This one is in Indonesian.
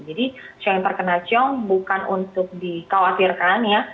jadi show yang terkena ciong bukan untuk dikhawatirkan ya